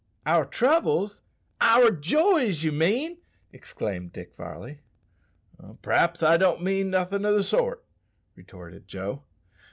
"Our troubles? our joys, you mean!" exclaimed Dick Varley. "P'r'aps I don't mean nothin' o' the sort," retorted Joe.